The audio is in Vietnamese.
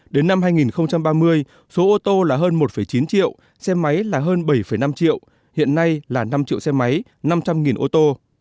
đến năm hai nghìn ba mươi số ô tô là hơn một chín triệu xe máy là hơn bảy năm triệu hiện nay là năm triệu xe máy năm trăm linh ô tô